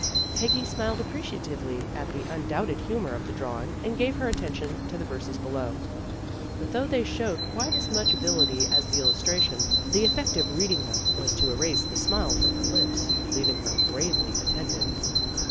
Peggy smiled appreciatively at the undoubted humor of the drawing and gave her attention to the verses below. But though they showed quite as much ability as the illustration, the effect of reading them was to erase the smile from her lips, leaving her gravely attentive.